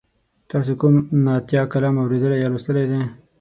تاسې کوم نعتیه کلام اوریدلی یا لوستلی دی؟